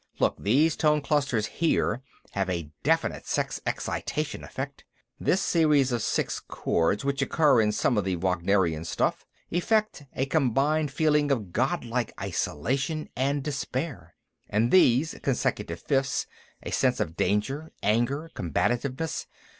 Look, these tone clusters, here, have a definite sex excitation effect. This series of six chords, which occur in some of the Wagnerian stuff; effect, a combined feeling of godlike isolation and despair. And these consecutive fifths a sense of danger, anger, combativeness.